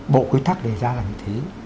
bộ quy tắc đề ra là như thế